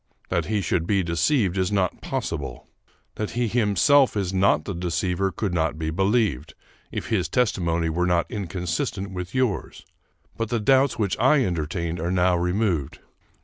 That he should be deceived is not possible. That he himself is not the deceiver could not be believed, if his testimony were not inconsistent with yours; but the doubts which I entertained are now removed.